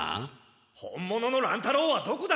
本物の乱太郎はどこだ！